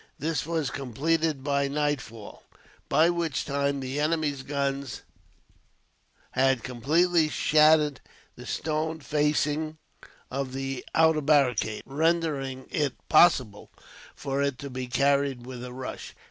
This was completed by nightfall, by which time the enemy's guns had completely shattered the stone facing of the outer barricade, rendering it possible for it to be carried with a rush.